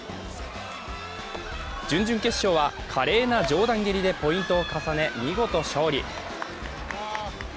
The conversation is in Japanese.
準々決勝は華麗な上段蹴りでポイントを重ね、見事勝利。